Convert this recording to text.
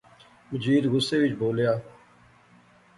مجید غصے وچ بولیا